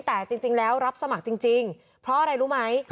แต่จริงแล้วรับสมัครจริงเพราะอะไรรู้ไหม